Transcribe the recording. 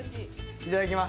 いただきます。